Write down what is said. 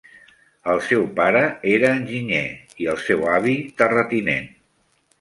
El seu pare era enginyer, i el seu avi, terratinent.